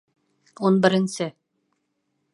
Ун беренсе